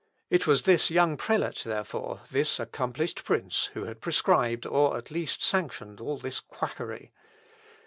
It was this young prelate, therefore, this accomplished prince, who had prescribed, or at least sanctioned, all this quackery.